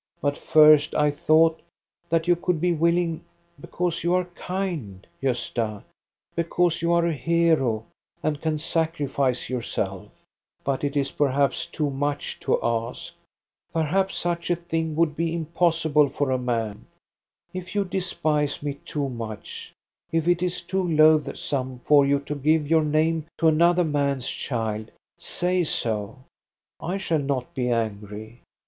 But first I thought that you could be willing, because you are kind, Gosta, because you are a hero and can sacrifice yourself But it is perhaps too much to ask. Perhaps such a thing would be im possible for a nian. If you despise me too much, if it is too loathsome for you to give your name to another man's child, say so ! I shall not be angry.